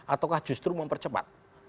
ataukah justru mempercepat